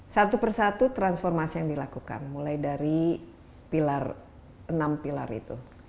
satu persatu transformasi yang dilakukan mulai dari enam pilar itu